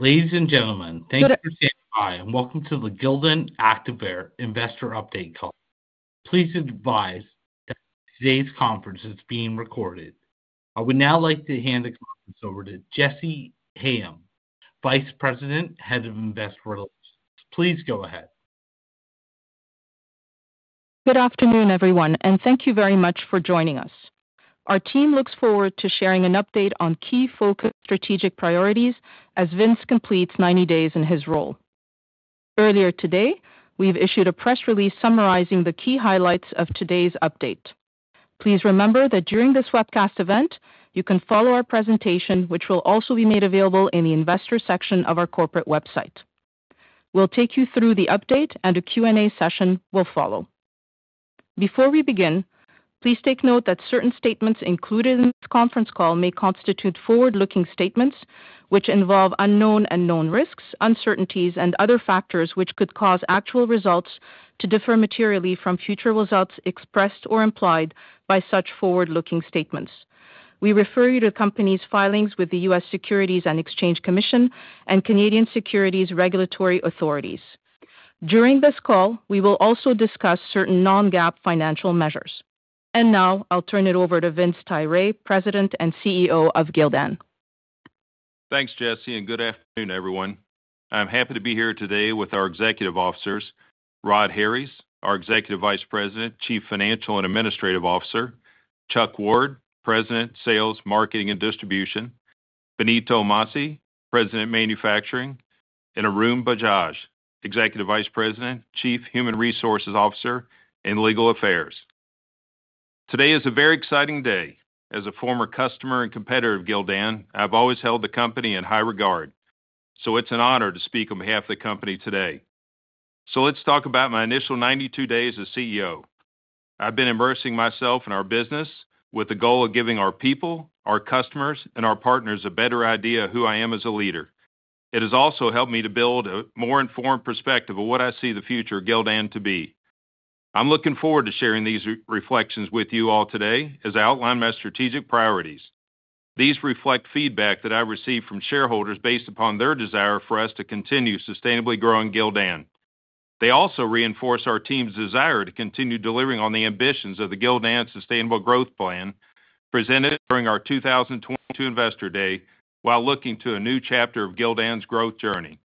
Ladies and gentlemen, thank you for standing by and welcome to the Gildan Activewear Investor Update call. Please advise that today's conference is being recorded. I would now like to hand the conference over to Jessy Hayem, Vice President, Head of Investor Relations. Please go ahead. Good afternoon, everyone, and thank you very much for joining us. Our team looks forward to sharing an update on key focus strategic priorities as Vince completes 90 days in his role. Earlier today, we've issued a press release summarizing the key highlights of today's update. Please remember that during this webcast event, you can follow our presentation, which will also be made available in the investor section of our corporate website. We'll take you through the update, and a Q&A session will follow. Before we begin, please take note that certain statements included in this conference call may constitute forward-looking statements which involve unknown and known risks, uncertainties, and other factors which could cause actual results to differ materially from future results expressed or implied by such forward-looking statements. We refer you to the company's filings with the U.S. Securities and Exchange Commission and Canadian Securities Regulatory Authorities. During this call, we will also discuss certain non-GAAP financial measures. Now I'll turn it over to Vince Tyra, President and CEO of Gildan. Thanks, Jessy, and good afternoon, everyone. I'm happy to be here today with our executive officers: Rod Harries, our Executive Vice President, Chief Financial and Administrative Officer; Chuck Ward, President, Sales, Marketing, and Distribution; Benito Masi, President, Manufacturing; and Arun Bajaj, Executive Vice President, Chief Human Resources Officer and Legal Affairs. Today is a very exciting day. As a former customer and competitor of Gildan, I've always held the company in high regard, so it's an honor to speak on behalf of the company today. So let's talk about my initial 92 days as CEO. I've been immersing myself in our business with the goal of giving our people, our customers, and our partners a better idea of who I am as a leader. It has also helped me to build a more informed perspective of what I see the future of Gildan to be. I'm looking forward to sharing these reflections with you all today as I outline my strategic priorities. These reflect feedback that I've received from shareholders based upon their desire for us to continue sustainably growing Gildan. They also reinforce our team's desire to continue delivering on the ambitions of the Gildan Sustainable Growth Plan presented during our 2022 Investor Day while looking to a new chapter of Gildan's growth journey.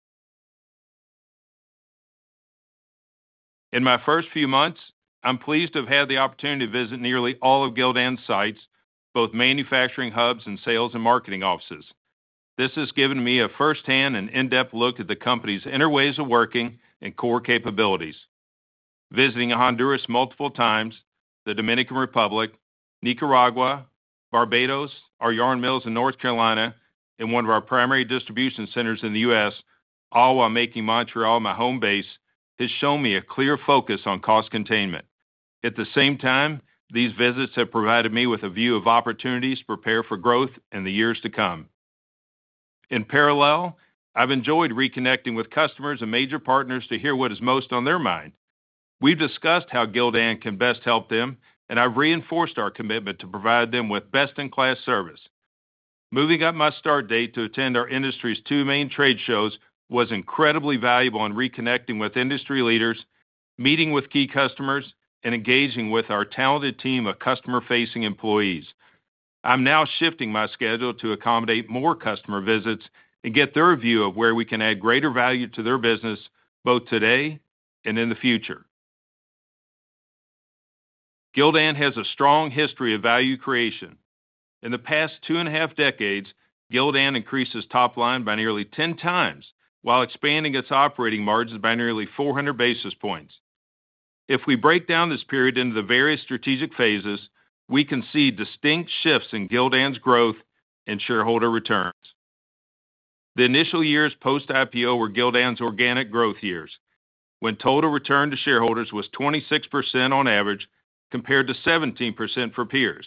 In my first few months, I'm pleased to have had the opportunity to visit nearly all of Gildan's sites, both manufacturing hubs and sales and marketing offices. This has given me a firsthand and in-depth look at the company's inner ways of working and core capabilities. Visiting Honduras multiple times, the Dominican Republic, Nicaragua, Barbados, our yarn mills in North Carolina, and one of our primary distribution centers in the U.S., all while making Montreal my home base, has shown me a clear focus on cost containment. At the same time, these visits have provided me with a view of opportunities to prepare for growth in the years to come. In parallel, I've enjoyed reconnecting with customers and major partners to hear what is most on their mind. We've discussed how Gildan can best help them, and I've reinforced our commitment to provide them with best-in-class service. Moving up my start date to attend our industry's two main trade shows was incredibly valuable in reconnecting with industry leaders, meeting with key customers, and engaging with our talented team of customer-facing employees. I'm now shifting my schedule to accommodate more customer visits and get their view of where we can add greater value to their business, both today and in the future. Gildan has a strong history of value creation. In the past 2.5 decades, Gildan increased its top line by nearly 10 times while expanding its operating margins by nearly 400 basis points. If we break down this period into the various strategic phases, we can see distinct shifts in Gildan's growth and shareholder returns. The initial years post-IPO were Gildan's organic growth years, when total return to shareholders was 26% on average compared to 17% for peers.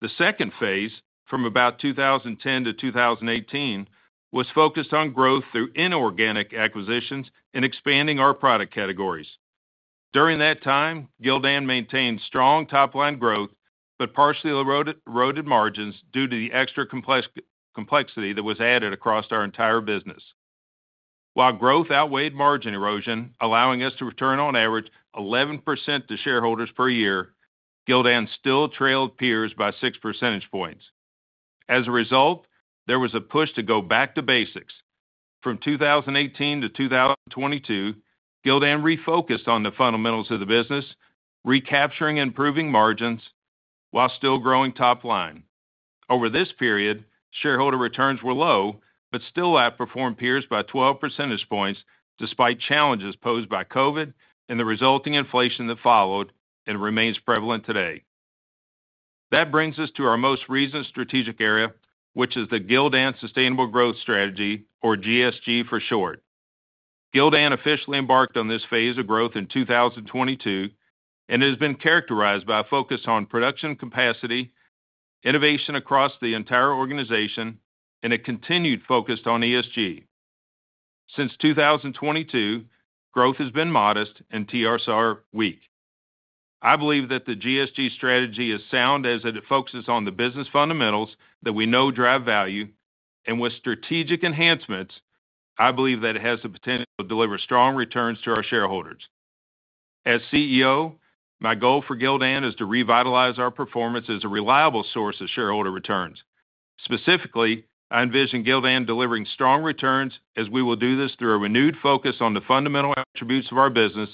The second phase, from about 2010 to 2018, was focused on growth through inorganic acquisitions and expanding our product categories. During that time, Gildan maintained strong top-line growth but partially eroded margins due to the extra complexity that was added across our entire business. While growth outweighed margin erosion, allowing us to return on average 11% to shareholders per year, Gildan still trailed peers by 6 percentage points. As a result, there was a push to go back to basics. From 2018 to 2022, Gildan refocused on the fundamentals of the business, recapturing and improving margins while still growing top line. Over this period, shareholder returns were low but still outperformed peers by 12 percentage points despite challenges posed by COVID and the resulting inflation that followed and remains prevalent today. That brings us to our most recent strategic area, which is the Gildan Sustainable Growth Strategy, or GSG for short. Gildan officially embarked on this phase of growth in 2022 and has been characterized by a focus on production capacity, innovation across the entire organization, and a continued focus on ESG. Since 2022, growth has been modest and TSR weak. I believe that the GSG strategy is sound as it focuses on the business fundamentals that we know drive value, and with strategic enhancements, I believe that it has the potential to deliver strong returns to our shareholders. As CEO, my goal for Gildan is to revitalize our performance as a reliable source of shareholder returns. Specifically, I envision Gildan delivering strong returns as we will do this through a renewed focus on the fundamental attributes of our business,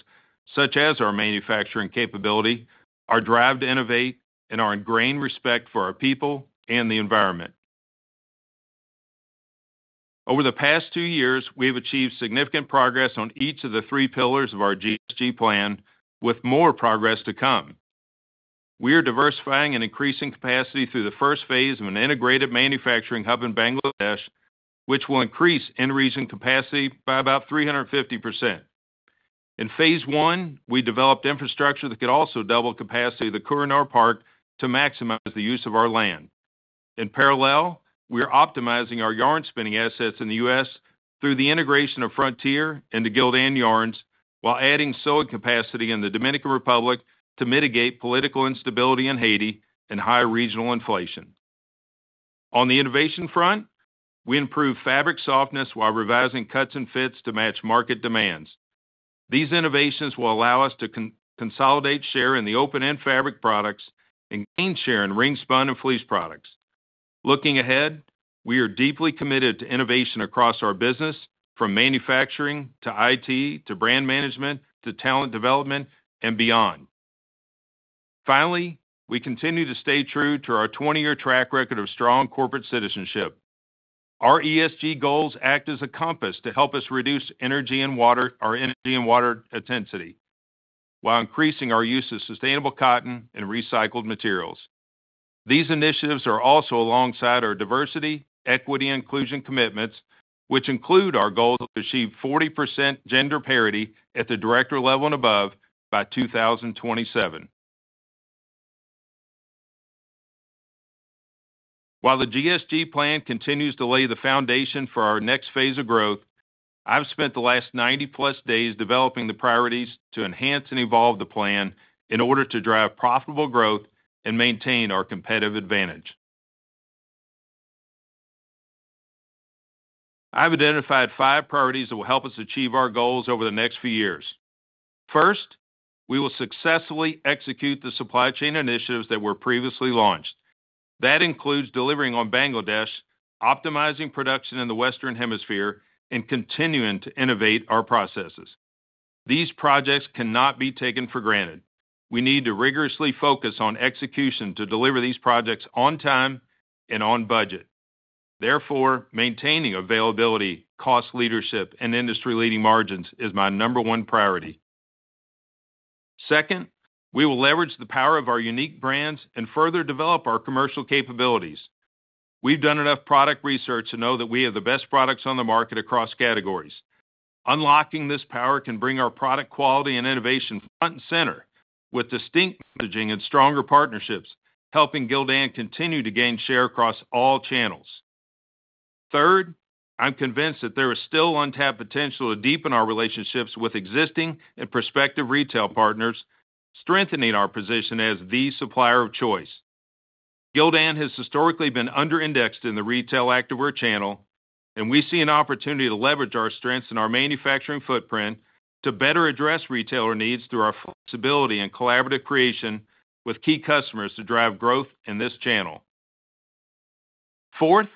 such as our manufacturing capability, our drive to innovate, and our ingrained respect for our people and the environment. Over the past 2 years, we have achieved significant progress on each of the 3 pillars of our GSG plan, with more progress to come. We are diversifying and increasing capacity through the first phase of an integrated manufacturing hub in Bangladesh, which will increase in-region capacity by about 350%. In phase 1, we developed infrastructure that could also double the capacity of the Kohinoor Complex to maximize the use of our land. In parallel, we are optimizing our yarn-spinning assets in the U.S. through the integration of Frontier into Gildan Yarns while adding sewing capacity in the Dominican Republic to mitigate political instability in Haiti and high regional inflation. On the innovation front, we improve fabric softness while revising cuts and fits to match market demands. These innovations will allow us to consolidate share in the open-end fabric products and gain share in ring-spun and fleece products. Looking ahead, we are deeply committed to innovation across our business, from manufacturing to IT to brand management to talent development and beyond. Finally, we continue to stay true to our 20-year track record of strong corporate citizenship. Our ESG goals act as a compass to help us reduce energy and water intensity while increasing our use of sustainable cotton and recycled materials. These initiatives are also alongside our diversity, equity, and inclusion commitments, which include our goal to achieve 40% gender parity at the director level and above by 2027. While the GSG plan continues to lay the foundation for our next phase of growth, I've spent the last 90+ days developing the priorities to enhance and evolve the plan in order to drive profitable growth and maintain our competitive advantage. I've identified five priorities that will help us achieve our goals over the next few years. First, we will successfully execute the supply chain initiatives that were previously launched. That includes delivering on Bangladesh, optimizing production in the Western Hemisphere, and continuing to innovate our processes. These projects cannot be taken for granted. We need to rigorously focus on execution to deliver these projects on time and on budget. Therefore, maintaining availability, cost leadership, and industry-leading margins is my number one priority. Second, we will leverage the power of our unique brands and further develop our commercial capabilities. We've done enough product research to know that we have the best products on the market across categories. Unlocking this power can bring our product quality and innovation front and center, with distinct messaging and stronger partnerships helping Gildan continue to gain share across all channels. Third, I'm convinced that there is still untapped potential to deepen our relationships with existing and prospective retail partners, strengthening our position as the supplier of choice. Gildan has historically been under-indexed in the Retail Activewear channel, and we see an opportunity to leverage our strengths in our manufacturing footprint to better address retailer needs through our flexibility and collaborative creation with key customers to drive growth in this channel. Fourth,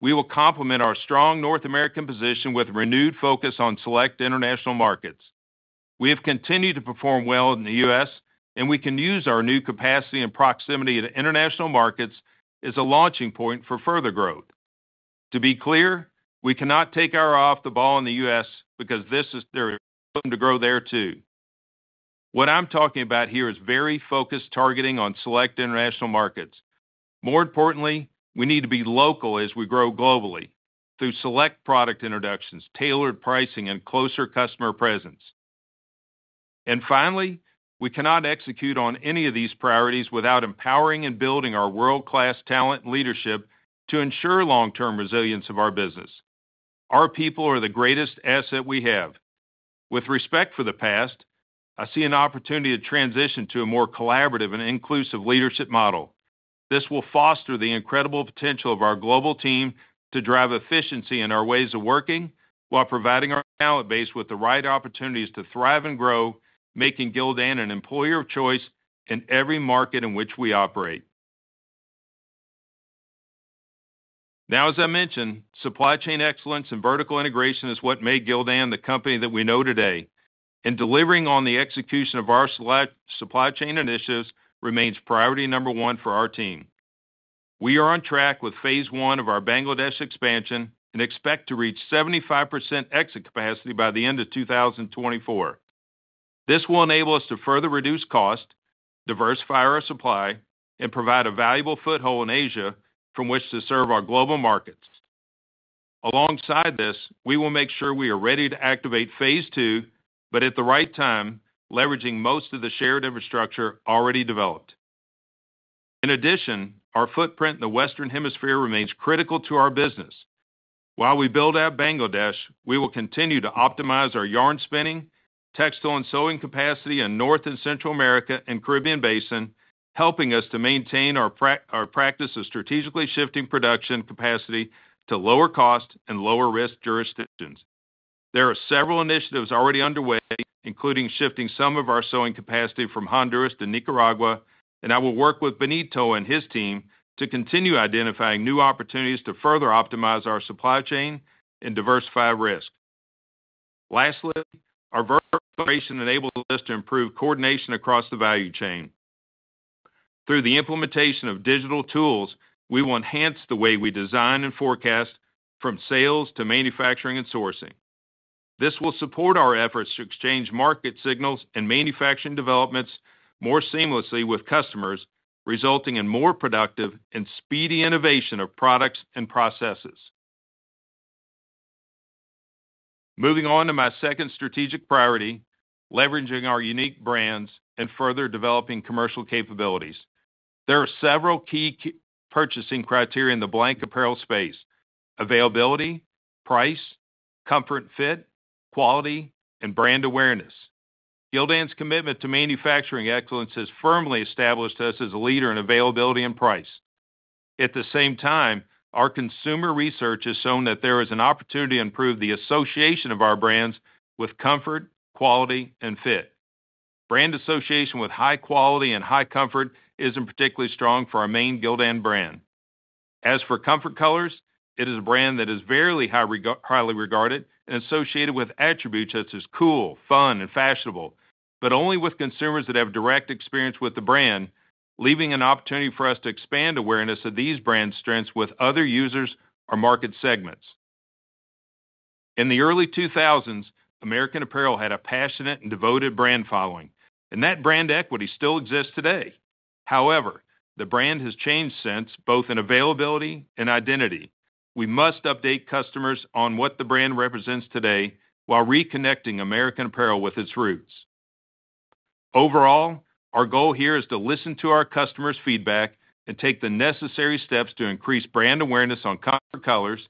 we will complement our strong North American position with renewed focus on select international markets. We have continued to perform well in the U.S., and we can use our new capacity and proximity to international markets as a launching point for further growth. To be clear, we cannot take our foot off the ball in the U.S. because there's ability to grow there too. What I'm talking about here is very focused targeting on select international markets. More importantly, we need to be local as we grow globally, through select product introductions, tailored pricing, and closer customer presence. And finally, we cannot execute on any of these priorities without empowering and building our world-class talent and leadership to ensure long-term resilience of our business. Our people are the greatest asset we have. With respect for the past, I see an opportunity to transition to a more collaborative and inclusive leadership model. This will foster the incredible potential of our global team to drive efficiency in our ways of working while providing our talent base with the right opportunities to thrive and grow, making Gildan an employer of choice in every market in which we operate. Now, as I mentioned, supply chain excellence and vertical integration is what made Gildan the company that we know today, and delivering on the execution of our supply chain initiatives remains priority number one for our team. We are on track with phase one of our Bangladesh expansion and expect to reach 75% exit capacity by the end of 2024. This will enable us to further reduce cost, diversify our supply, and provide a valuable foothold in Asia from which to serve our global markets. Alongside this, we will make sure we are ready to activate phase two, but at the right time, leveraging most of the shared infrastructure already developed. In addition, our footprint in the Western Hemisphere remains critical to our business. While we build out Bangladesh, we will continue to optimize our yarn-spinning, textile, and sewing capacity in North and Central America and Caribbean Basin, helping us to maintain our practice of strategically shifting production capacity to lower cost and lower-risk jurisdictions. There are several initiatives already underway, including shifting some of our sewing capacity from Honduras to Nicaragua, and I will work with Benito and his team to continue identifying new opportunities to further optimize our supply chain and diversify risk. Lastly, our vertical integration enables us to improve coordination across the value chain. Through the implementation of digital tools, we will enhance the way we design and forecast, from sales to manufacturing and sourcing. This will support our efforts to exchange market signals and manufacturing developments more seamlessly with customers, resulting in more productive and speedy innovation of products and processes. Moving on to my second strategic priority, leveraging our unique brands and further developing commercial capabilities. There are several key purchasing criteria in the blank apparel space: availability, price, comfort and fit, quality, and brand awareness. Gildan's commitment to manufacturing excellence has firmly established us as a leader in availability and price. At the same time, our consumer research has shown that there is an opportunity to improve the association of our brands with comfort, quality, and fit. Brand association with high quality and high comfort isn't particularly strong for our main Gildan brand. As for Comfort Colors, it is a brand that is very highly regarded and associated with attributes such as cool, fun, and fashionable, but only with consumers that have direct experience with the brand, leaving an opportunity for us to expand awareness of these brands' strengths with other users or market segments. In the early 2000s, American Apparel had a passionate and devoted brand following, and that brand equity still exists today. However, the brand has changed since, both in availability and identity. We must update customers on what the brand represents today while reconnecting American Apparel with its roots. Overall, our goal here is to listen to our customers' feedback and take the necessary steps to increase brand awareness on Comfort Colors,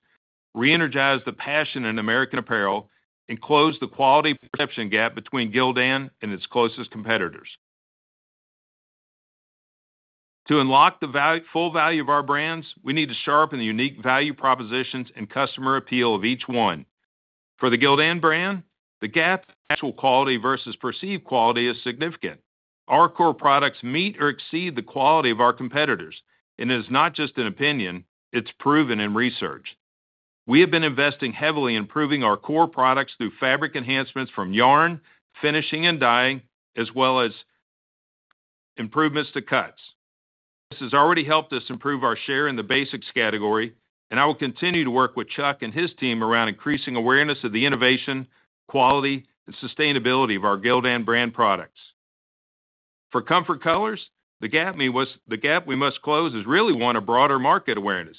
re-energize the passion in American Apparel, and close the quality perception gap between Gildan and its closest competitors. To unlock the full value of our brands, we need to sharpen the unique value propositions and customer appeal of each one. For the Gildan brand, the gap between actual quality versus perceived quality is significant. Our core products meet or exceed the quality of our competitors, and it is not just an opinion. It's proven in research. We have been investing heavily in improving our core products through fabric enhancements from yarn, finishing, and dyeing, as well as improvements to cuts. This has already helped us improve our share in the basics category, and I will continue to work with Chuck and his team around increasing awareness of the innovation, quality, and sustainability of our Gildan brand products. For Comfort Colors, the gap we must close is really one of broader market awareness.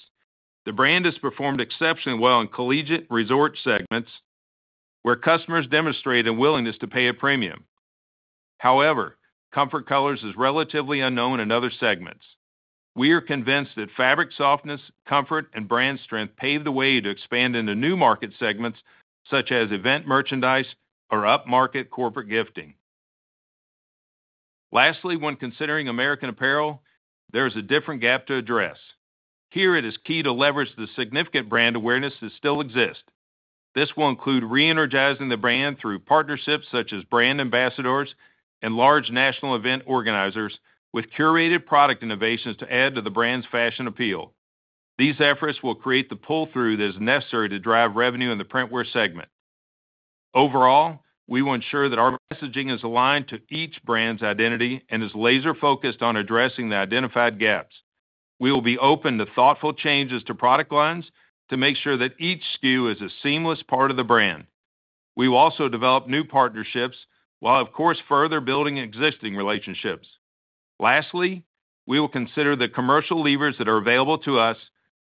The brand has performed exceptionally well in collegiate resort segments, where customers demonstrate a willingness to pay a premium. However, Comfort Colors are relatively unknown in other segments. We are convinced that fabric softness, comfort, and brand strength pave the way to expand into new market segments such as event merchandise or up-market corporate gifting. Lastly, when considering American Apparel, there is a different gap to address. Here, it is key to leverage the significant brand awareness that still exists. This will include re-energizing the brand through partnerships such as brand ambassadors and large national event organizers, with curated product innovations to add to the brand's fashion appeal. These efforts will create the pull-through that is necessary to drive revenue in the Printwear segment. Overall, we will ensure that our messaging is aligned to each brand's identity and is laser-focused on addressing the identified gaps. We will be open to thoughtful changes to product lines to make sure that each SKU is a seamless part of the brand. We will also develop new partnerships while, of course, further building existing relationships. Lastly, we will consider the commercial levers that are available to us,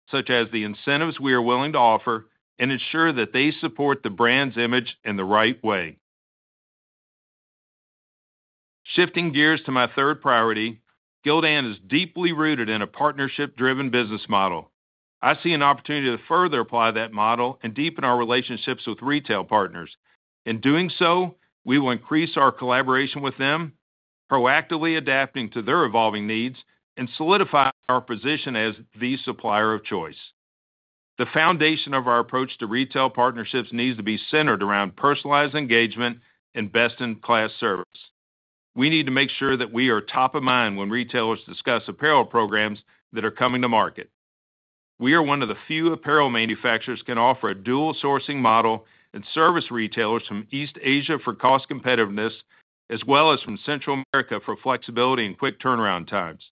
such as the incentives we are willing to offer, and ensure that they support the brand's image in the right way. Shifting gears to my third priority, Gildan is deeply rooted in a partnership-driven business model. I see an opportunity to further apply that model and deepen our relationships with retail partners. In doing so, we will increase our collaboration with them, proactively adapting to their evolving needs, and solidify our position as the supplier of choice. The foundation of our approach to retail partnerships needs to be centered around personalized engagement and best-in-class service. We need to make sure that we are top of mind when retailers discuss apparel programs that are coming to market. We are one of the few apparel manufacturers that can offer a dual-sourcing model and service retailers from East Asia for cost competitiveness, as well as from Central America for flexibility and quick turnaround times.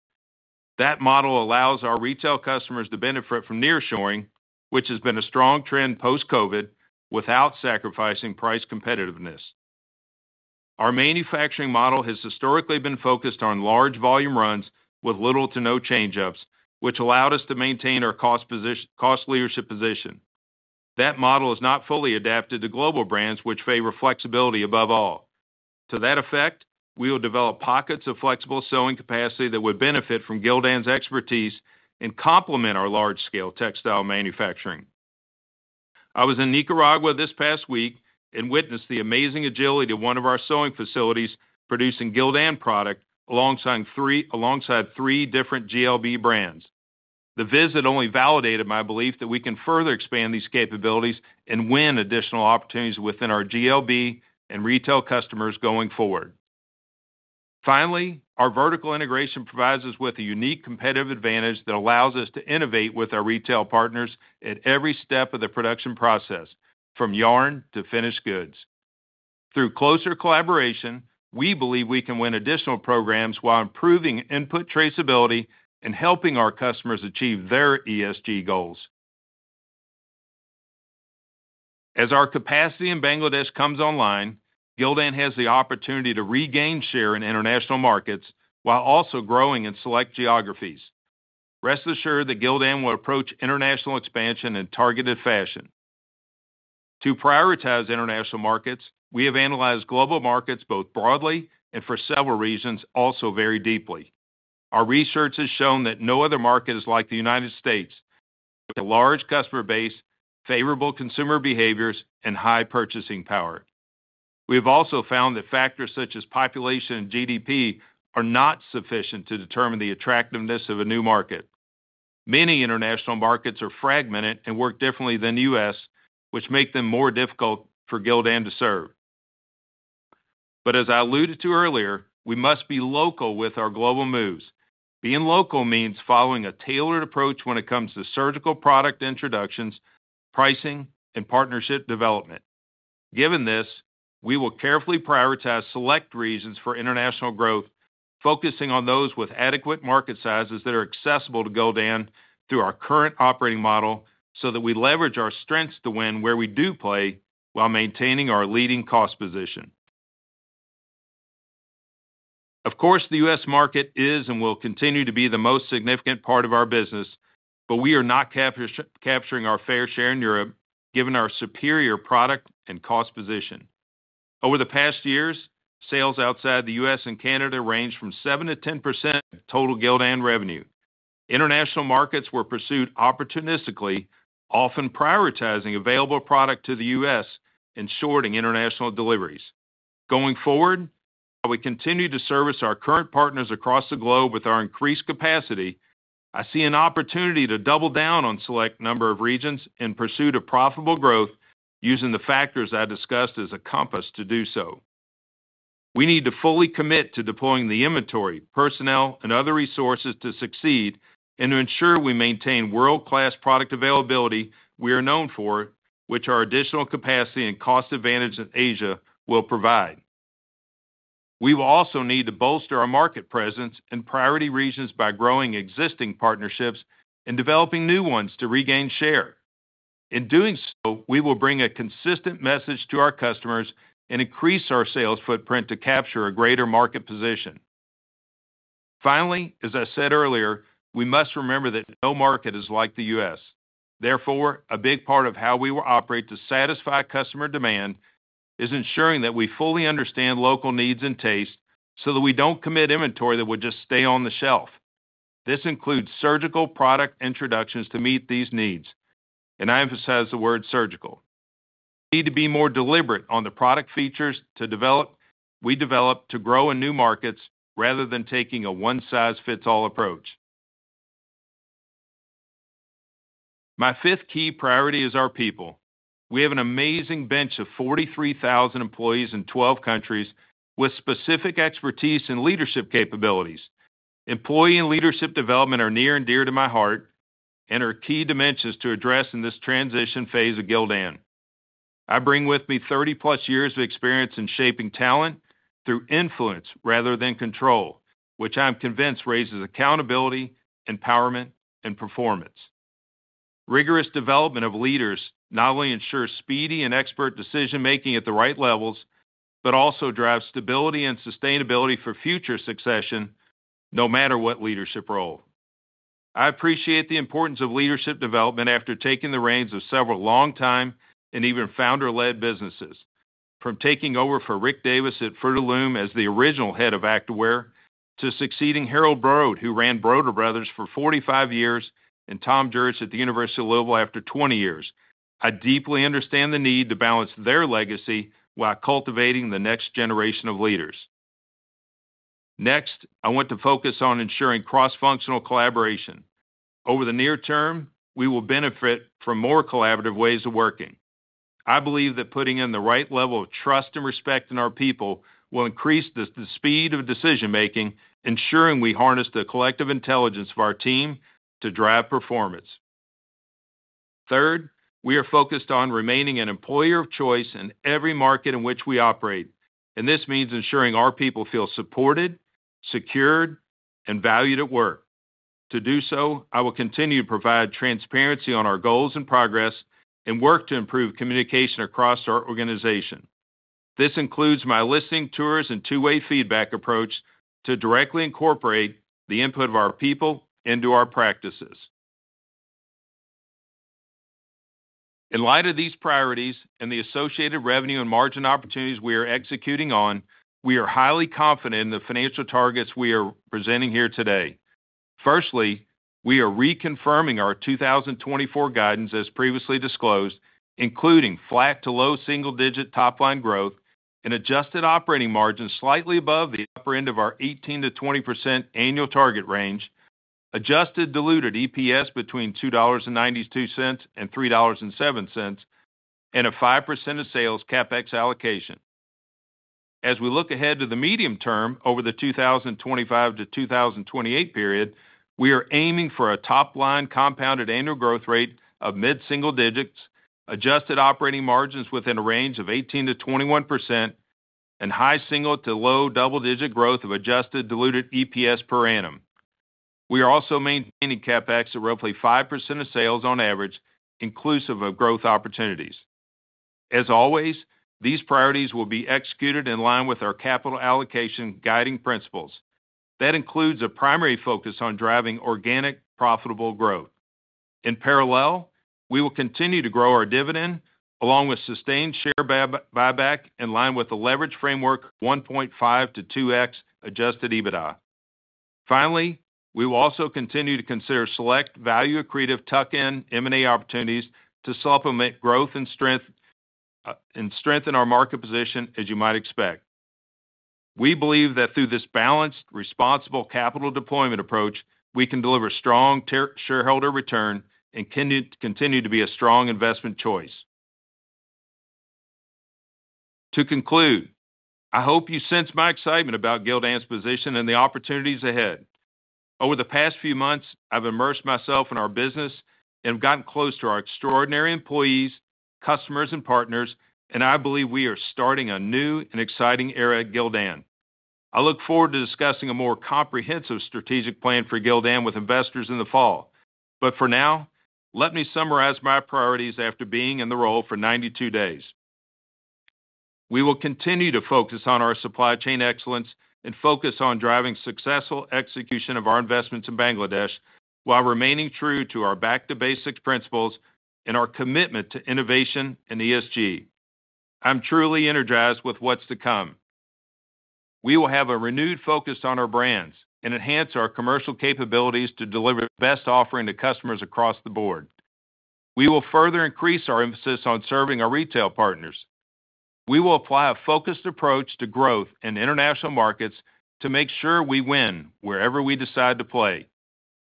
That model allows our retail customers to benefit from nearshoring, which has been a strong trend post-COVID without sacrificing price competitiveness. Our manufacturing model has historically been focused on large volume runs with little to no change-ups, which allowed us to maintain our cost leadership position. That model is not fully adapted to global brands, which favor flexibility above all. To that effect, we will develop pockets of flexible sewing capacity that would benefit from Gildan's expertise and complement our large-scale textile manufacturing. I was in Nicaragua this past week and witnessed the amazing agility of one of our sewing facilities producing Gildan product alongside three different GLB brands. The visit only validated my belief that we can further expand these capabilities and win additional opportunities within our GLB and retail customers going forward. Finally, our vertical integration provides us with a unique competitive advantage that allows us to innovate with our retail partners at every step of the production process, from yarn to finished goods. Through closer collaboration, we believe we can win additional programs while improving input traceability and helping our customers achieve their ESG goals. As our capacity in Bangladesh comes online, Gildan has the opportunity to regain share in international markets while also growing in select geographies. Rest assured that Gildan will approach international expansion in targeted fashion. To prioritize international markets, we have analyzed global markets both broadly and, for several reasons, also very deeply. Our research has shown that no other market is like the United States, with a large customer base, favorable consumer behaviors, and high purchasing power. We have also found that factors such as population and GDP are not sufficient to determine the attractiveness of a new market. Many international markets are fragmented and work differently than the U.S., which makes them more difficult for Gildan to serve. But, as I alluded to earlier, we must be local with our global moves. Being local means following a tailored approach when it comes to surgical product introductions, pricing, and partnership development. Given this, we will carefully prioritize select regions for international growth, focusing on those with adequate market sizes that are accessible to Gildan through our current operating model so that we leverage our strengths to win where we do play while maintaining our leading cost position. Of course, the U.S. market is and will continue to be the most significant part of our business, but we are not capturing our fair share in Europe given our superior product and cost position. Over the past years, sales outside the U.S. and Canada ranged from 7%-10% of total Gildan revenue. International markets were pursued opportunistically, often prioritizing available product to the U.S. and shorting international deliveries. Going forward, while we continue to service our current partners across the globe with our increased capacity, I see an opportunity to double down on a select number of regions in pursuit of profitable growth using the factors I discussed as a compass to do so. We need to fully commit to deploying the inventory, personnel, and other resources to succeed and to ensure we maintain world-class product availability we are known for, which our additional capacity and cost advantage in Asia will provide. We will also need to bolster our market presence in priority regions by growing existing partnerships and developing new ones to regain share. In doing so, we will bring a consistent message to our customers and increase our sales footprint to capture a greater market position. Finally, as I said earlier, we must remember that no market is like the U.S. Therefore, a big part of how we operate to satisfy customer demand is ensuring that we fully understand local needs and tastes so that we don't commit inventory that would just stay on the shelf. This includes surgical product introductions to meet these needs, and I emphasize the word "surgical." We need to be more deliberate on the product features we develop to grow in new markets rather than taking a one-size-fits-all approach. My fifth key priority is our people. We have an amazing bench of 43,000 employees in 12 countries with specific expertise and leadership capabilities. Employee and leadership development are near and dear to my heart and are key dimensions to address in this transition phase of Gildan. I bring with me 30+ years of experience in shaping talent through influence rather than control, which I am convinced raises accountability, empowerment, and performance. Rigorous development of leaders not only ensures speedy and expert decision-making at the right levels but also drives stability and sustainability for future succession, no matter what leadership role. I appreciate the importance of leadership development after taking the reins of several long-time and even founder-led businesses, from taking over for Rick Davis at Fruit of the Loom as the original head of Activewear to succeeding Harold Broder, who ran Broder Bros. for 45 years, and Tom Jurich at the University of Louisville after 20 years. I deeply understand the need to balance their legacy while cultivating the next generation of leaders. Next, I want to focus on ensuring cross-functional collaboration. Over the near term, we will benefit from more collaborative ways of working. I believe that putting in the right level of trust and respect in our people will increase the speed of decision-making, ensuring we harness the collective intelligence of our team to drive performance. Third, we are focused on remaining an employer of choice in every market in which we operate, and this means ensuring our people feel supported, secure, and valued at work. To do so, I will continue to provide transparency on our goals and progress and work to improve communication across our organization. This includes my listening tours and two-way feedback approach to directly incorporate the input of our people into our practices. In light of these priorities and the associated revenue and margin opportunities we are executing on, we are highly confident in the financial targets we are presenting here today. Firstly, we are reconfirming our 2024 guidance, as previously disclosed, including flat to low single-digit top-line growth, an adjusted operating margin slightly above the upper end of our 18%-20% annual target range, adjusted diluted EPS between $2.92 and $3.07, and a 5% of sales CapEx allocation. As we look ahead to the medium term over the 2025-2028 period, we are aiming for a top-line compounded annual growth rate of mid-single digits, adjusted operating margins within a range of 18%-21%, and high single to low double-digit growth of adjusted diluted EPS per annum. We are also maintaining CapEx at roughly 5% of sales on average, inclusive of growth opportunities. As always, these priorities will be executed in line with our capital allocation guiding principles. That includes a primary focus on driving organic, profitable growth. In parallel, we will continue to grow our dividend along with sustained share buyback in line with the leverage framework 1.5-2x Adjusted EBITDA. Finally, we will also continue to consider select value-accretive tuck-in M&A opportunities to supplement growth and strengthen our market position, as you might expect. We believe that through this balanced, responsible capital deployment approach, we can deliver strong shareholder return and continue to be a strong investment choice. To conclude, I hope you sense my excitement about Gildan's position and the opportunities ahead. Over the past few months, I've immersed myself in our business and have gotten close to our extraordinary employees, customers, and partners, and I believe we are starting a new and exciting era at Gildan. I look forward to discussing a more comprehensive strategic plan for Gildan with investors in the fall, but for now, let me summarize my priorities after being in the role for 92 days. We will continue to focus on our supply chain excellence and focus on driving successful execution of our investments in Bangladesh while remaining true to our back-to-basics principles and our commitment to innovation and ESG. I'm truly energized with what's to come. We will have a renewed focus on our brands and enhance our commercial capabilities to deliver the best offering to customers across the board. We will further increase our emphasis on serving our retail partners. We will apply a focused approach to growth and international markets to make sure we win wherever we decide to play.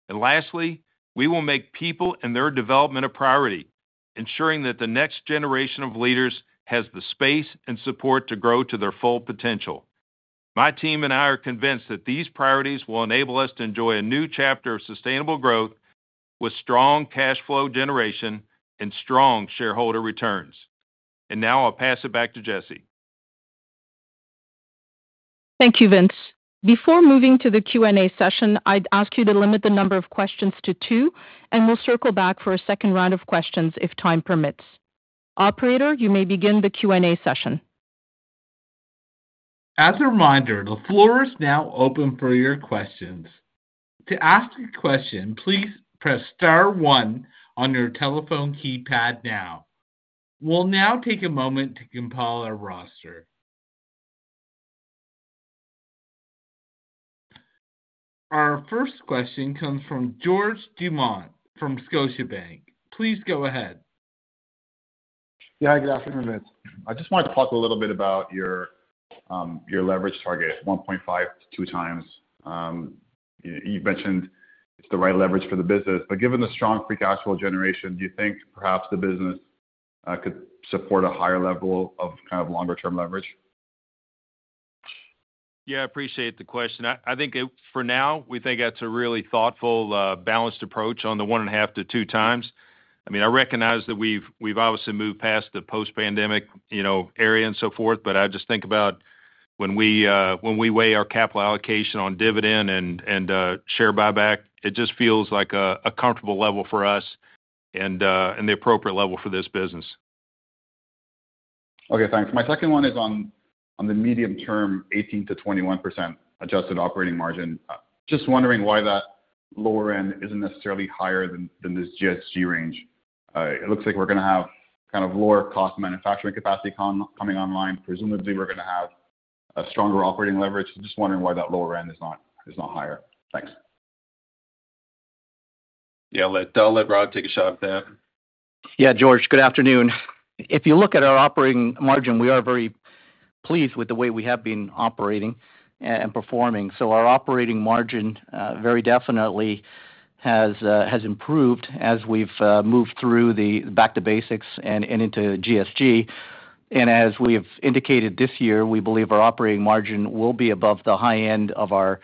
Lastly, we will make people and their development a priority, ensuring that the next generation of leaders has the space and support to grow to their full potential. My team and I are convinced that these priorities will enable us to enjoy a new chapter of sustainable growth with strong cash flow generation and strong shareholder returns. And now, I'll pass it back to Jessy. Thank you, Vince. Before moving to the Q&A session, I'd ask you to limit the number of questions to two, and we'll circle back for a second round of questions if time permits. Operator, you may begin the Q&A session. As a reminder, the floor is now open for your questions. To ask a question, please press *1 on your telephone keypad now. We'll now take a moment to compile our roster. Our first question comes from George Doumet from Scotiabank. Please go ahead. Yeah, good afternoon, Vince. I just wanted to talk a little bit about your leverage target, 1.5x-2x. You've mentioned it's the right leverage for the business, but given the strong free cash flow generation, do you think perhaps the business could support a higher level of kind of longer-term leverage? Yeah, I appreciate the question. I think, for now, we think that's a really thoughtful, balanced approach on the 1.5x-2x. I mean, I recognize that we've obviously moved past the post-pandemic area and so forth, but I just think about when we weigh our capital allocation on dividend and share buyback, it just feels like a comfortable level for us and the appropriate level for this business. Okay, thanks. My second one is on the medium term, 18%-21% adjusted operating margin. Just wondering why that lower end isn't necessarily higher than this GSG range. It looks like we're going to have kind of lower cost manufacturing capacity coming online. Presumably, we're going to have a stronger operating leverage. Just wondering why that lower end is not higher. Thanks. Yeah, I'll let Rod take a shot with that. Yeah, George, good afternoon. If you look at our operating margin, we are very pleased with the way we have been operating and performing. So our operating margin very definitely has improved as we've moved through the back-to-basics and into GSG. And as we've indicated this year, we believe our operating margin will be above the high end of our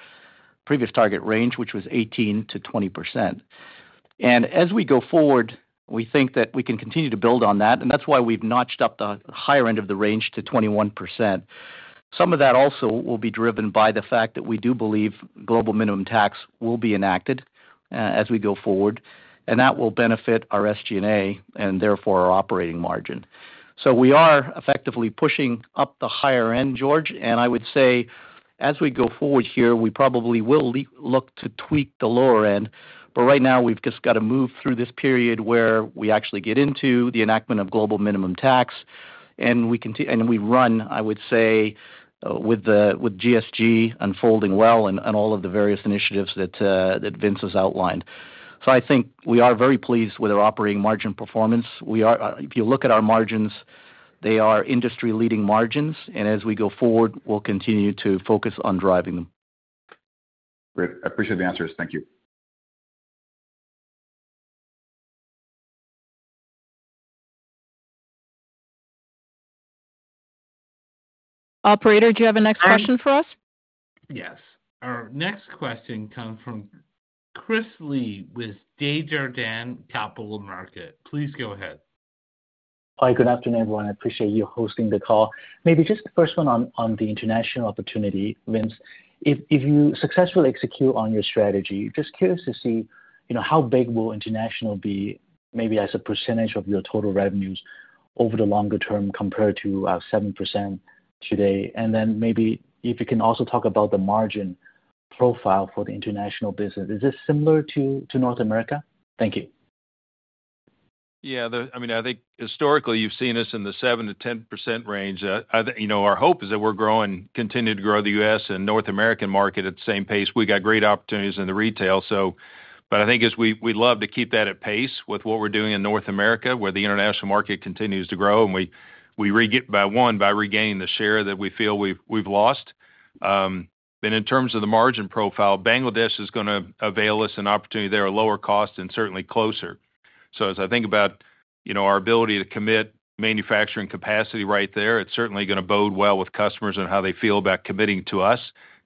previous target range, which was 18%-20%. And as we go forward, we think that we can continue to build on that, and that's why we've notched up the higher end of the range to 21%. Some of that also will be driven by the fact that we do believe Global Minimum Tax will be enacted as we go forward, and that will benefit our SG&A and, therefore, our operating margin. So we are effectively pushing up the higher end, George. And I would say, as we go forward here, we probably will look to tweak the lower end, but right now, we've just got to move through this period where we actually get into the enactment of Global Minimum Tax, and we run I would say with GSG unfolding well and all of the various initiatives that Vince has outlined. So I think we are very pleased with our operating margin performance. If you look at our margins, they are industry-leading margins, and as we go forward, we'll continue to focus on driving them. Great. I appreciate the answers. Thank you. Operator, do you have a next question for us? Yes. Our next question comes from Chris Li with Desjardins Capital Markets. Please go ahead. Hi, good afternoon, everyone. I appreciate you hosting the call. Maybe just the first one on the international opportunity, Vince. If you successfully execute on your strategy, just curious to see how big will international be maybe as a percentage of your total revenues over the longer term compared to our 7% today? And then maybe if you can also talk about the margin profile for the international business. Is this similar to North America? Thank you. Yeah. I mean, I think historically, you've seen us in the 7%-10% range. Our hope is that we're growing continue to grow the U.S. and North American market at the same pace. We got great opportunities in the retail, so. But I think we'd love to keep that at pace with what we're doing in North America, where the international market continues to grow, and we regain by one by regaining the share that we feel we've lost. But in terms of the margin profile, Bangladesh is going to avail us an opportunity there at lower cost and certainly closer. So as I think about our ability to commit manufacturing capacity right there, it's certainly going to bode well with customers and how they feel about committing to us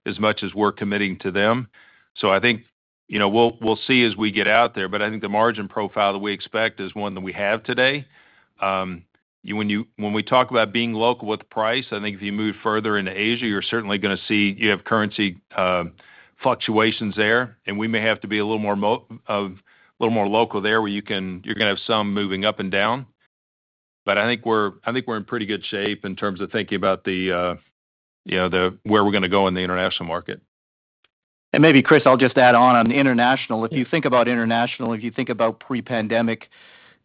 as much as we're committing to them. So I think we'll see as we get out there, but I think the margin profile that we expect is one that we have today. When we talk about being local with price, I think if you move further into Asia, you're certainly going to see you have currency fluctuations there, and we may have to be a little more local there where you're going to have some moving up and down. But I think we're in pretty good shape in terms of thinking about where we're going to go in the international market. And maybe, Chris, I'll just add on on international. If you think about international, if you think about pre-pandemic,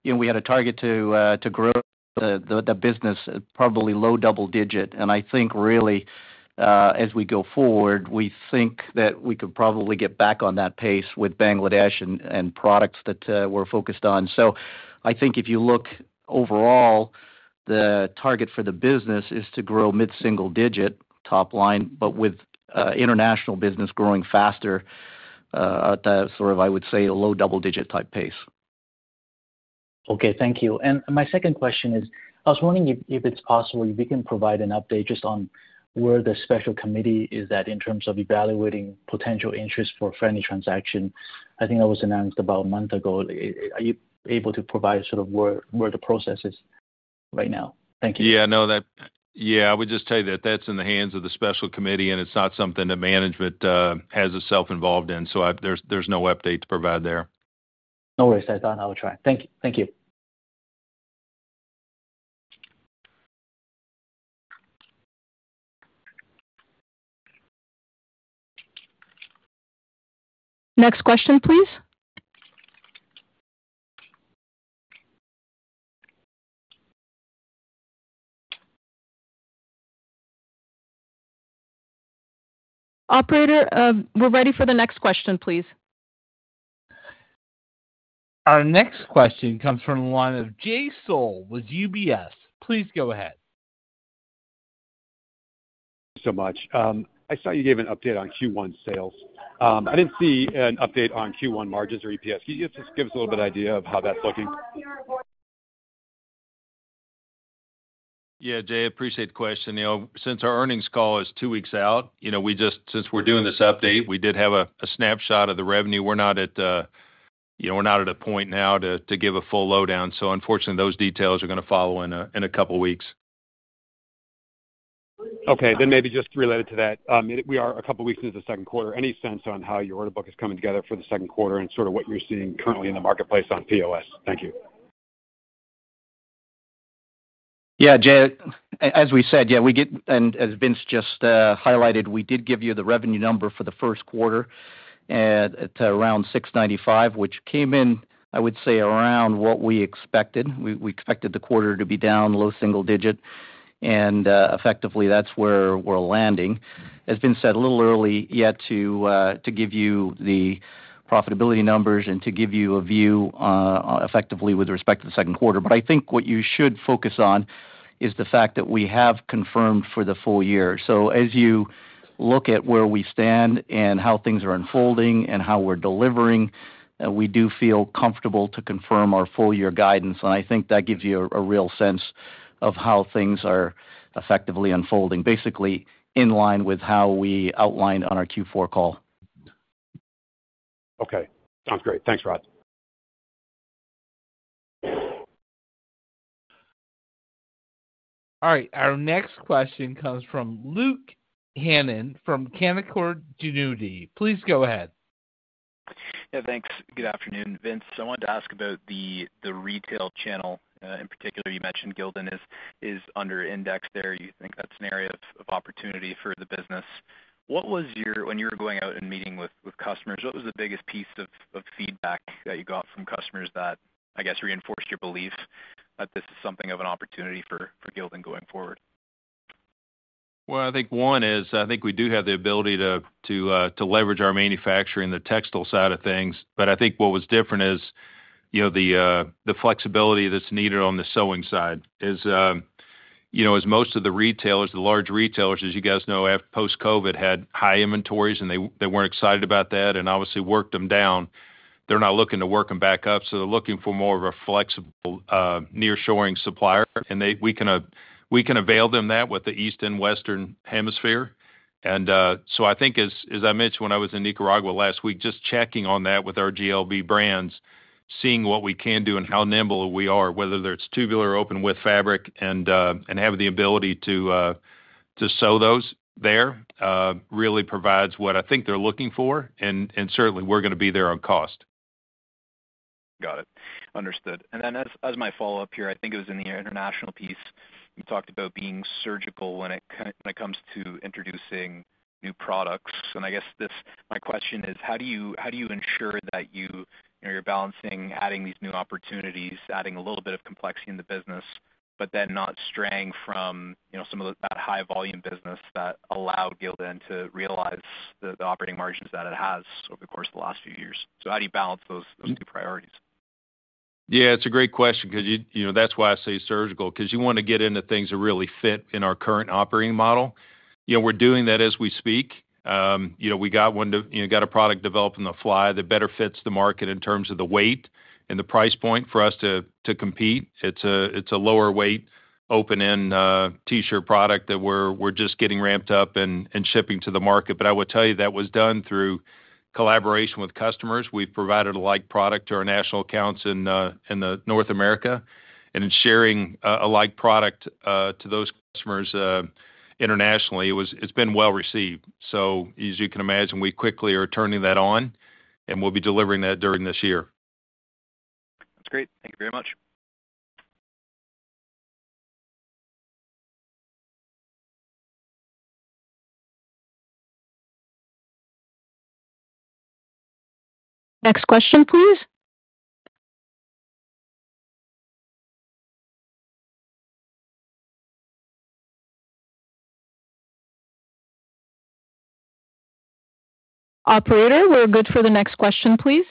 we had a target to grow the business probably low double-digit. And I think, really, as we go forward, we think that we could probably get back on that pace with Bangladesh and products that we're focused on. So, I think if you look overall, the target for the business is to grow mid-single-digit top line, but with international business growing faster at that sort of, I would say, low double-digit type pace. Okay, thank you. And my second question is, I was wondering if it's possible if you can provide an update just on where the Special Committee is at in terms of evaluating potential interest for friendly transaction. I think that was announced about a month ago. Are you able to provide sort of where the process is right now? Thank you. Yeah, no, that yeah, I would just tell you that that's in the hands of the Special Committee, and it's not something that management has itself involved in, so there's no update to provide there. No worries. I thought I would try. Thank you. Next question, please. Operator, we're ready for the next question, please. Our next question comes from the line of Jay Sole with UBS. Please go ahead. Thanks so much. I saw you gave an update on Q1 sales. I didn't see an update on Q1 margins or EPS. Can you just give us a little bit of an idea of how that's looking? Yeah, Jay, I appreciate the question. Since our earnings call is two weeks out, since we're doing this update, we did have a snapshot of the revenue. We're not at a point now to give a full lowdown. So, unfortunately, those details are going to follow in a couple of weeks. Okay, then maybe just related to that, we are a couple of weeks into the second quarter. Any sense on how your order book is coming together for the second quarter and sort of what you're seeing currently in the marketplace on POS? Thank you. Yeah, Jay, as we said, yeah, we get and as Vince just highlighted, we did give you the revenue number for the first quarter at around $695 million, which came in, I would say, around what we expected. We expected the quarter to be down low single digit, and effectively, that's where we're landing. As Vince said, a little early yet to give you the profitability numbers and to give you a view effectively with respect to the second quarter. But I think what you should focus on is the fact that we have confirmed for the full year. So as you look at where we stand and how things are unfolding and how we're delivering, we do feel comfortable to confirm our full-year guidance, and I think that gives you a real sense of how things are effectively unfolding, basically in line with how we outlined on our Q4 call. Okay, sounds great. Thanks, Rod. All right, our next question comes from Luke Hannan from Canaccord Genuity. Please go ahead. Yeah, thanks. Good afternoon, Vince. I wanted to ask about the retail channel. In particular, you mentioned Gildan is under index there. You think that's an area of opportunity for the business. When you were going out and meeting with customers, what was the biggest piece of feedback that you got from customers that, I guess, reinforced your belief that this is something of an opportunity for Gildan going forward? Well, I think one is I think we do have the ability to leverage our manufacturing, the textile side of things. But I think what was different is the flexibility that's needed on the sewing side. As most of the retailers, the large retailers, as you guys know, post-COVID had high inventories, and they weren't excited about that and obviously worked them down, they're not looking to work them back up. So they're looking for more of a flexible nearshoring supplier, and we can avail them that with the East and Western Hemisphere. And so I think, as I mentioned when I was in Nicaragua last week, just checking on that with our GLB brands, seeing what we can do and how nimble we are, whether it's tubular open width fabric and having the ability to sew those there, really provides what I think they're looking for, and certainly, we're going to be there on cost. Got it. Understood. And then as my follow-up here, I think it was in the international piece. You talked about being surgical when it comes to introducing new products. And I guess my question is, how do you ensure that you're balancing adding these new opportunities, adding a little bit of complexity in the business, but then not straying from some of that high-volume business that allowed Gildan to realize the operating margins that it has over the course of the last few years? So how do you balance those two priorities? Yeah, it's a great question because that's why I say surgical, because you want to get into things that really fit in our current operating model. We're doing that as we speak. We got one. We got a product developed on the fly that better fits the market in terms of the weight and the price point for us to compete. It's a lower-weight open-end T-shirt product that we're just getting ramped up and shipping to the market. But I will tell you that was done through collaboration with customers. We've provided a like product to our national accounts in North America, and in sharing a like product to those customers internationally, it's been well received. So as you can imagine, we quickly are turning that on, and we'll be delivering that during this year. That's great. Thank you very much. Next question, please. Operator, we're good for the next question, please.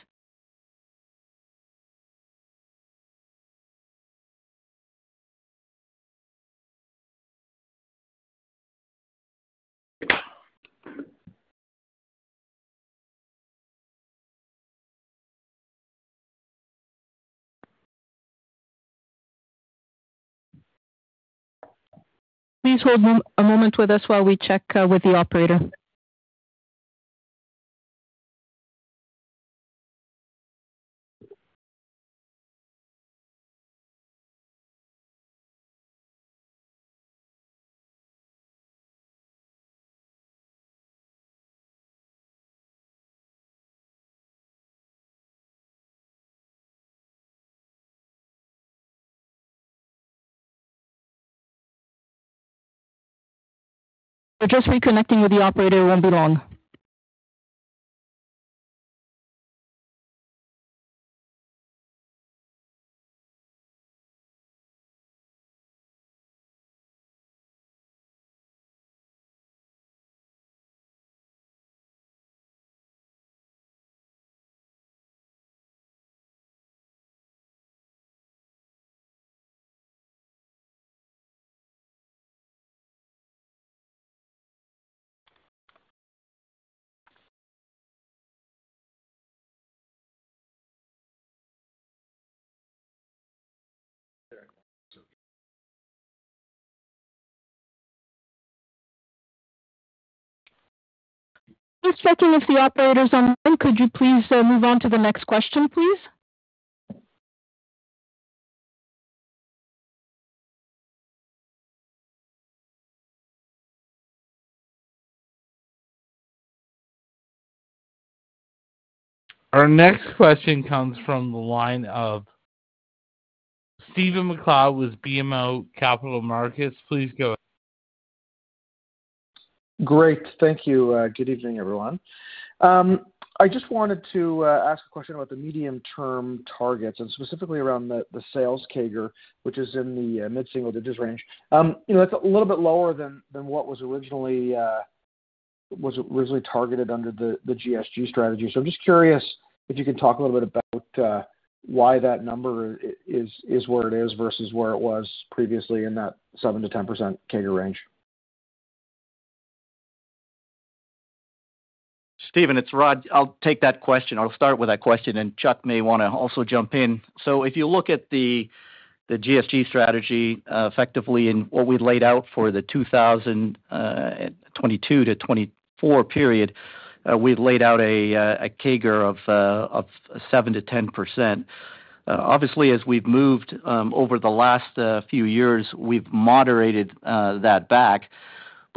Please hold a moment with us while we check with the operator. So just reconnecting with the operator won't be long. Just checking if the operator's on the line. Could you please move on to the next question, please? Our next question comes from the line of Stephen MacLeod with BMO Capital Markets. Please go ahead. Great. Thank you. Good evening, everyone. I just wanted to ask a question about the medium-term targets and specifically around the sales CAGR, which is in the mid-single-digits range. That's a little bit lower than what was originally targeted under the GSG strategy. So I'm just curious if you can talk a little bit about why that number is where it is versus where it was previously in that 7%-10% CAGR range. Stephen, it's Rod. I'll take that question. I'll start with that question, and Chuck may want to also jump in. So if you look at the GSG strategy, effectively, in what we laid out for the 2022-2024 period, we laid out a CAGR of 7%-10%. Obviously, as we've moved over the last few years, we've moderated that back.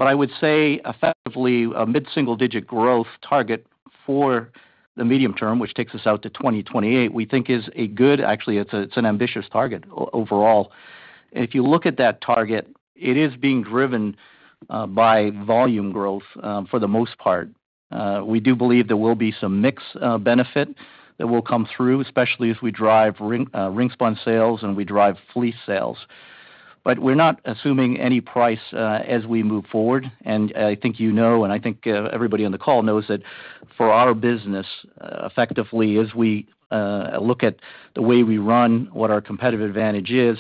But I would say, effectively, a mid-single-digit growth target for the medium term, which takes us out to 2028, we think is a good actually, it's an ambitious target overall. And if you look at that target, it is being driven by volume growth for the most part. We do believe there will be some mixed benefit that will come through, especially as we drive ring-spun sales and we drive fleece sales. But we're not assuming any price as we move forward. I think you know, and I think everybody on the call knows that for our business, effectively, as we look at the way we run, what our competitive advantage is,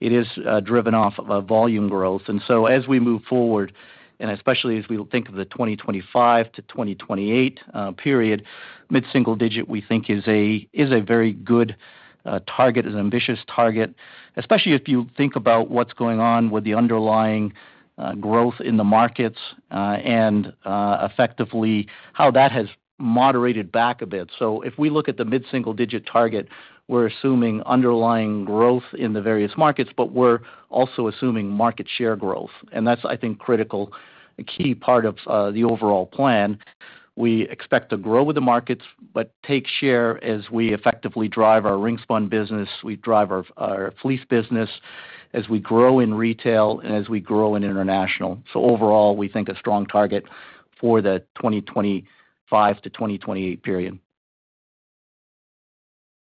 it is driven off of volume growth. And so as we move forward, and especially as we think of the 2025 to 2028 period, mid-single-digit, we think, is a very good target, an ambitious target, especially if you think about what's going on with the underlying growth in the markets and effectively how that has moderated back a bit. So if we look at the mid-single-digit target, we're assuming underlying growth in the various markets, but we're also assuming market share growth. And that's, I think, critical, a key part of the overall plan. We expect to grow with the markets but take share as we effectively drive our Ring-spun business, we drive our fleece business, as we grow in retail, and as we grow in international. So overall, we think a strong target for the 2025 to 2028 period.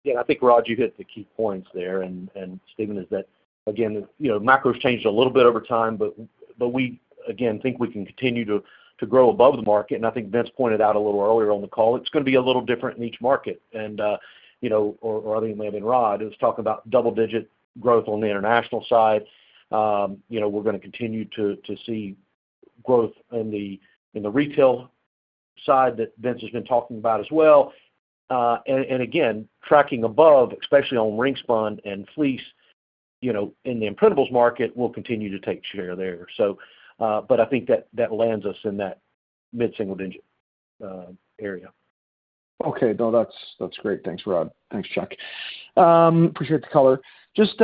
Yeah, I think, Rod, you hit the key points there. And Stephen, is that, again, macro's changed a little bit over time, but we, again, think we can continue to grow above the market. And I think Vince pointed out a little earlier on the call, it's going to be a little different in each market. And or I think may have been Rod. He was talking about double-digit growth on the international side. We're going to continue to see growth in the retail side that Vince has been talking about as well. And again, tracking above, especially on ring-spun and fleece in the imprintables market, we'll continue to take share there. But I think that lands us in that mid-single-digit area. Okay, no, that's great. Thanks, Rod. Thanks, Chuck. Appreciate the color. Just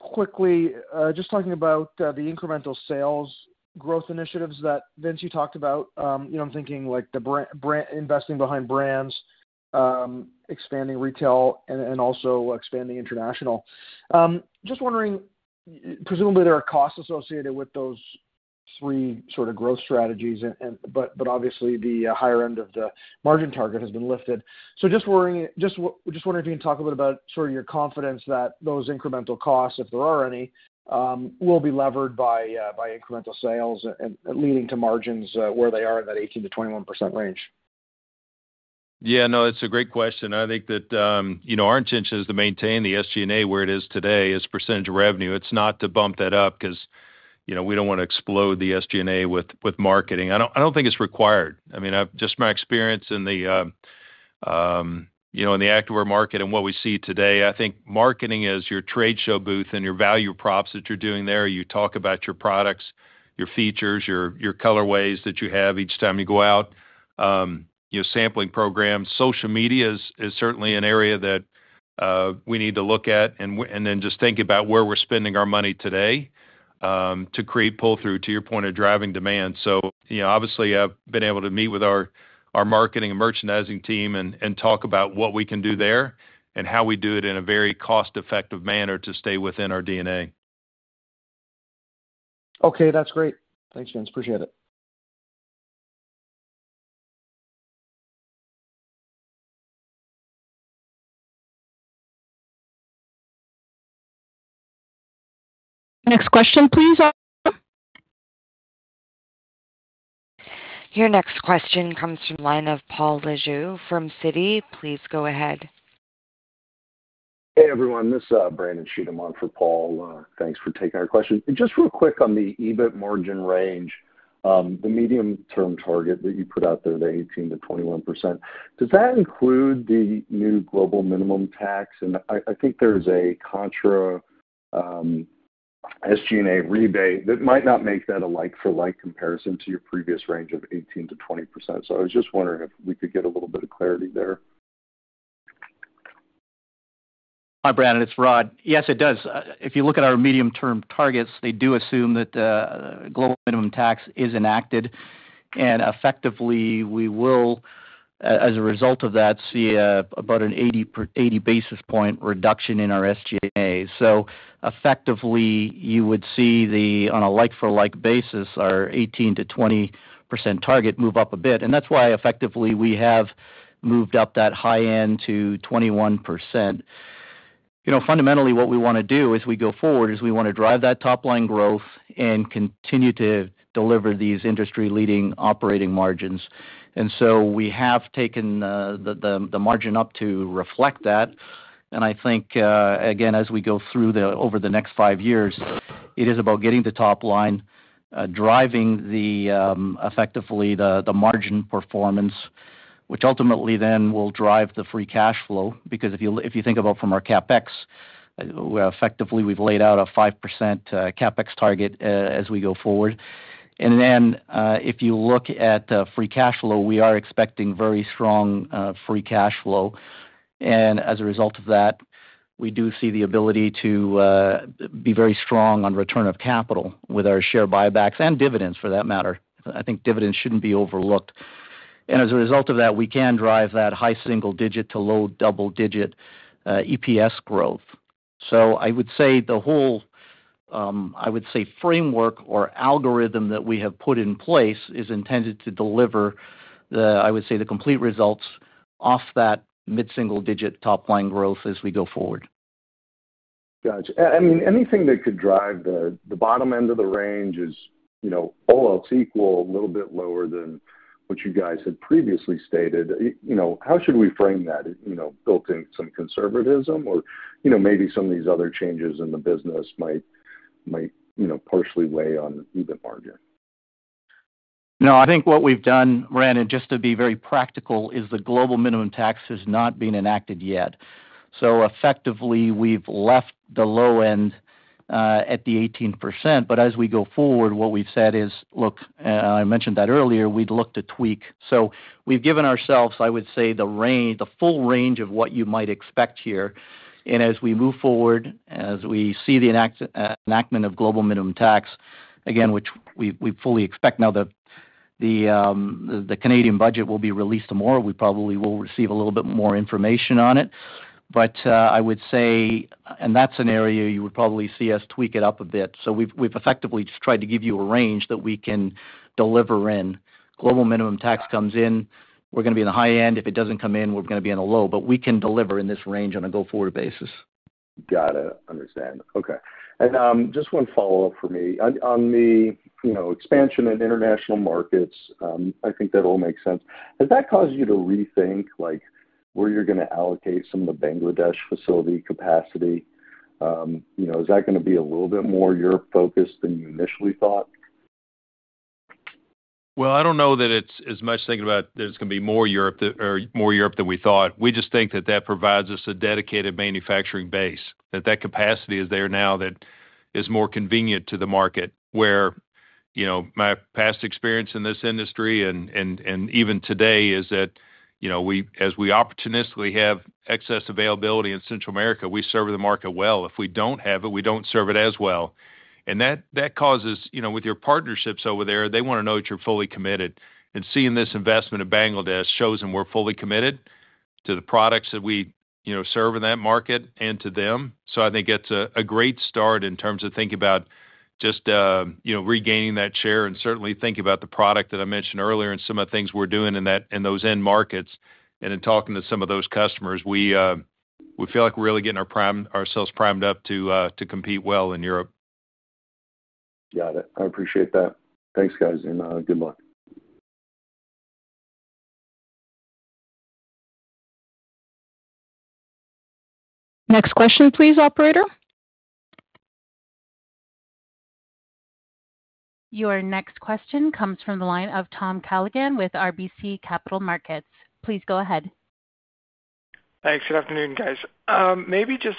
quickly, just talking about the incremental sales growth initiatives that Vince, you talked about, I'm thinking like investing behind brands, expanding retail, and also expanding international. Just wondering, presumably, there are costs associated with those three sort of growth strategies, but obviously, the higher end of the margin target has been lifted. So just wondering if you can talk a little bit about sort of your confidence that those incremental costs, if there are any, will be levered by incremental sales and leading to margins where they are in that 18%-21% range. Yeah, no, it's a great question. I think that our intention is to maintain the SG&A where it is today as percentage of revenue. It's not to bump that up because we don't want to explode the SG&A with marketing. I don't think it's required. I mean, just my experience in the activewear market and what we see today, I think marketing is your trade show booth and your value props that you're doing there. You talk about your products, your features, your colorways that you have each time you go out, sampling programs. Social media is certainly an area that we need to look at and then just think about where we're spending our money today to create pull-through, to your point, of driving demand. So obviously, I've been able to meet with our marketing and merchandising team and talk about what we can do there and how we do it in a very cost-effective manner to stay within our DNA. Okay, that's great. Thanks, Vince. Appreciate it. Next question, please. Your next question comes from the line of Paul Lejuez from Citi. Please go ahead. Hey, everyone. This is Brandon Cheatham on for Paul. Thanks for taking our question. Just real quick on the EBIT margin range, the medium-term target that you put out there, the 18%-21%, does that include the new global minimum tax? And I think there's a contra-SG&A rebate that might not make that a like-for-like comparison to your previous range of 18%-20%. So I was just wondering if we could get a little bit of clarity there. Hi, Brandon. It's Rod. Yes, it does. If you look at our medium-term targets, they do assume that Global Minimum Tax is enacted. Effectively, we will, as a result of that, see about an 80 basis points reduction in our SG&A. Effectively, you would see, on a like-for-like basis, our 18%-20% target move up a bit. That's why, effectively, we have moved up that high end to 21%. Fundamentally, what we want to do as we go forward is we want to drive that top-line growth and continue to deliver these industry-leading operating margins. So we have taken the margin up to reflect that. I think, again, as we go through over the next five years, it is about getting the top line, driving effectively the margin performance, which ultimately then will drive the free cash flow. Because if you think about from our CapEx, effectively, we've laid out a 5% CapEx target as we go forward. And then if you look at free cash flow, we are expecting very strong free cash flow. And as a result of that, we do see the ability to be very strong on return of capital with our share buybacks and dividends, for that matter. I think dividends shouldn't be overlooked. And as a result of that, we can drive that high single-digit to low double-digit EPS growth. So I would say the whole, I would say, framework or algorithm that we have put in place is intended to deliver, I would say, the complete results of that mid-single-digit top-line growth as we go forward. Gotcha. I mean, anything that could drive the bottom end of the range is all else equal, a little bit lower than what you guys had previously stated. How should we frame that? Built in some conservatism, or maybe some of these other changes in the business might partially weigh on EBIT margin? No, I think what we've done, Brandon, just to be very practical, is the Global Minimum Tax has not been enacted yet. So effectively, we've left the low end at the 18%. But as we go forward, what we've said is, look, I mentioned that earlier, we'd look to tweak. So we've given ourselves, I would say, the full range of what you might expect here. And as we move forward, as we see the enactment of Global Minimum Tax, again, which we fully expect now that the Canadian budget will be released tomorrow, we probably will receive a little bit more information on it. But I would say, and that's an area you would probably see us tweak it up a bit. So we've effectively tried to give you a range that we can deliver in. Global Minimum Tax comes in, we're going to be in the high end. If it doesn't come in, we're going to be in the low. But we can deliver in this range on a go-forward basis. Got it. Understand. Okay. And just one follow-up for me. On the expansion in international markets, I think that all makes sense. Has that caused you to rethink where you're going to allocate some of the Bangladesh facility capacity? Is that going to be a little bit more Europe-focused than you initially thought? Well, I don't know that it's as much thinking about there's going to be more Europe that we thought. We just think that that provides us a dedicated manufacturing base, that that capacity is there now that is more convenient to the market. Where my past experience in this industry and even today is that as we opportunistically have excess availability in Central America, we serve the market well. If we don't have it, we don't serve it as well. And that causes, with your partnerships over there, they want to know that you're fully committed. And seeing this investment in Bangladesh shows them we're fully committed to the products that we serve in that market and to them. So I think it's a great start in terms of thinking about just regaining that share and certainly thinking about the product that I mentioned earlier and some of the things we're doing in those end markets. And in talking to some of those customers, we feel like we're really getting ourselves primed up to compete well in Europe. Got it. I appreciate that. Thanks, guys, and good luck. Next question, please, operator. Your next question comes from the line of Tom Callaghan with RBC Capital Markets. Please go ahead. Thanks. Good afternoon, guys. Maybe just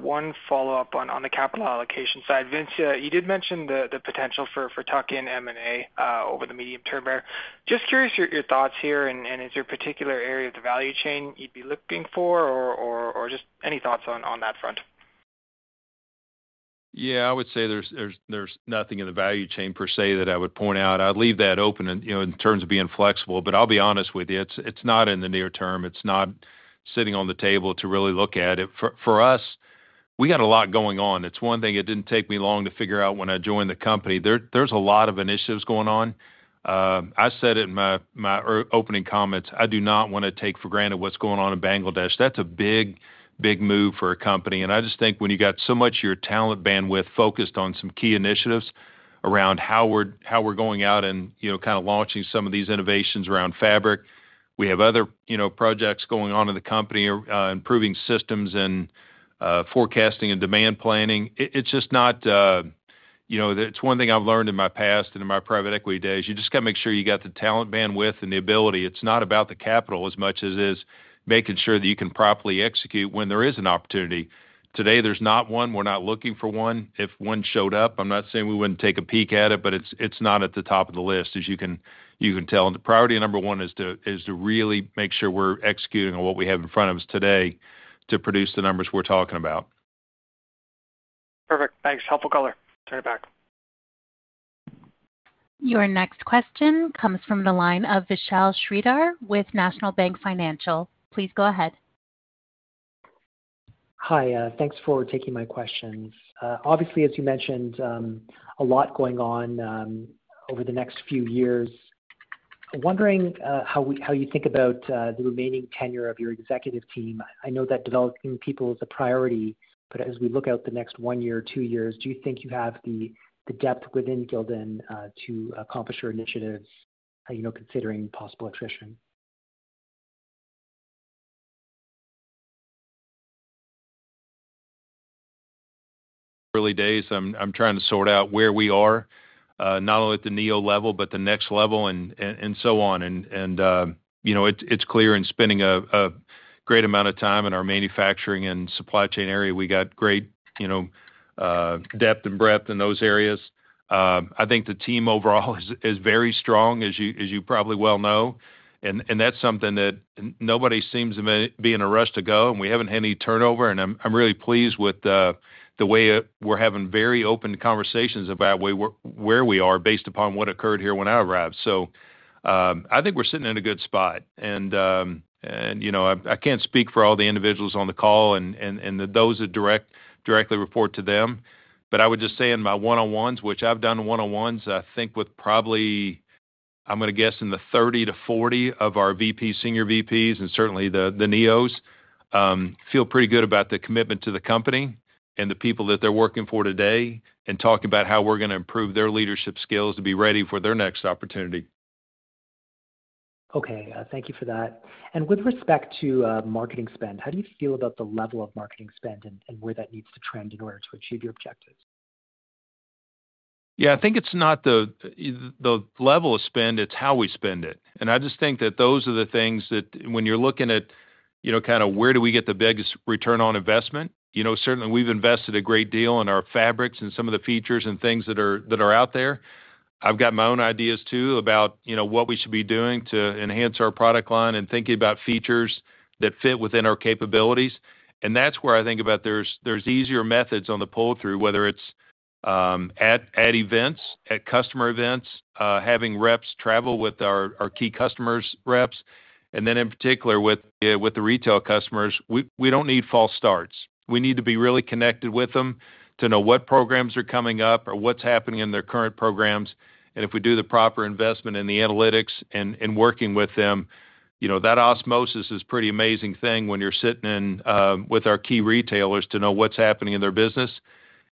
one follow-up on the capital allocation side. Vince, you did mention the potential for tuck-in M&A over the medium term there. Just curious your thoughts here. And is there a particular area of the value chain you'd be looking for or just any thoughts on that front? Yeah, I would say there's nothing in the value chain per se that I would point out. I'd leave that open in terms of being flexible. But I'll be honest with you, it's not in the near term. It's not sitting on the table to really look at it. For us, we got a lot going on. It's one thing it didn't take me long to figure out when I joined the company. There's a lot of initiatives going on. I said it in my opening comments. I do not want to take for granted what's going on in Bangladesh. That's a big, big move for a company. I just think when you got so much of your talent bandwidth focused on some key initiatives around how we're going out and kind of launching some of these innovations around fabric, we have other projects going on in the company, improving systems and forecasting and demand planning. It's just not, it's one thing I've learned in my past and in my private equity days. You just got to make sure you got the talent bandwidth and the ability. It's not about the capital as much as it is making sure that you can properly execute when there is an opportunity. Today, there's not one. We're not looking for one. If one showed up, I'm not saying we wouldn't take a peek at it, but it's not at the top of the list, as you can tell. Priority number one is to really make sure we're executing on what we have in front of us today to produce the numbers we're talking about. Perfect. Thanks. Helpful color. Turn it back. Your next question comes from the line of Vishal Shreedhar with National Bank Financial. Please go ahead. Hi. Thanks for taking my questions. Obviously, as you mentioned, a lot going on over the next few years. Wondering how you think about the remaining tenure of your executive team. I know that developing people is a priority, but as we look out the next one year, two years, do you think you have the depth within Gildan to accomplish your initiatives considering possible attrition? Early days, I'm trying to sort out where we are, not only at the NEO level, but the next level and so on. And it's clear, in spending a great amount of time in our manufacturing and supply chain area, we got great depth and breadth in those areas. I think the team overall is very strong, as you probably well know. And that's something that nobody seems to be in a rush to go. And we haven't had any turnover. And I'm really pleased with the way we're having very open conversations about where we are based upon what occurred here when I arrived. So I think we're sitting in a good spot. And I can't speak for all the individuals on the call and those that directly report to them. But I would just say in my one-on-ones, which I've done one-on-ones, I think with probably, I'm going to guess, in the 30-40 of our senior VPs and certainly the NEOs, feel pretty good about the commitment to the company and the people that they're working for today and talking about how we're going to improve their leadership skills to be ready for their next opportunity. Okay. Thank you for that. And with respect to marketing spend, how do you feel about the level of marketing spend and where that needs to trend in order to achieve your objectives? Yeah, I think it's not the level of spend. It's how we spend it. And I just think that those are the things that when you're looking at kind of where do we get the biggest return on investment, certainly we've invested a great deal in our fabrics and some of the features and things that are out there. I've got my own ideas, too, about what we should be doing to enhance our product line and thinking about features that fit within our capabilities. And that's where I think about there's easier methods on the pull-through, whether it's at events, at customer events, having reps travel with our key customers' reps. And then in particular, with the retail customers, we don't need false starts. We need to be really connected with them to know what programs are coming up or what's happening in their current programs. If we do the proper investment in the analytics and working with them, that osmosis is a pretty amazing thing when you're sitting with our key retailers to know what's happening in their business.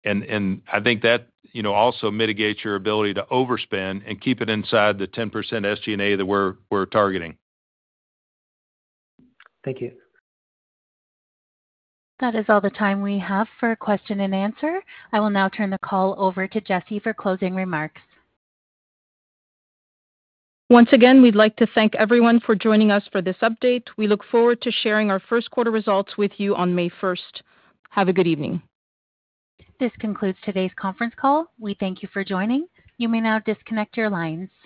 I think that also mitigates your ability to overspend and keep it inside the 10% SG&A that we're targeting. Thank you. That is all the time we have for question and answer. I will now turn the call over to Jessy for closing remarks. Once again, we'd like to thank everyone for joining us for this update. We look forward to sharing our first quarter results with you on May 1st. Have a good evening. This concludes today's conference call. We thank you for joining. You may now disconnect your lines.